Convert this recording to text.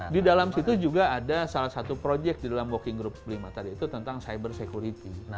di dalam situ juga ada salah satu project di dalam working group lima tadi itu tentang cyber security